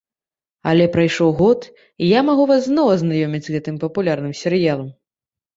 Але прайшоў год, і я магу вас ізноў азнаёміць з гэтым папулярным серыялам.